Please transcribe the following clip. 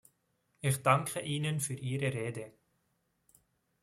Ich danke Ihnen für Ihre Rede.